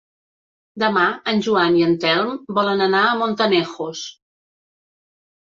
Demà en Joan i en Telm volen anar a Montanejos.